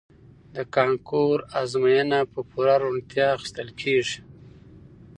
د کانکور ازموینه په پوره روڼتیا اخیستل کیږي.